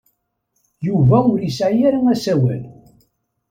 Yuba ur yesɛi ara asawal.